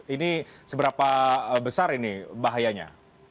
ini seberapa besar ini bahayanya